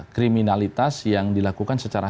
kriminalitas yang dilakukan secara